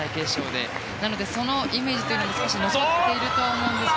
なのでそのイメージというのが残っていると思いますが。